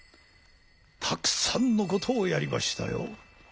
たくさんのことをやりましたよ。